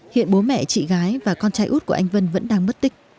hiện bố mẹ chị gái và con trai út của anh vân vẫn đang mất tích